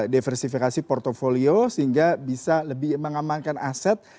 diversifikasi portfolio sehingga bisa lebih mengamankan aset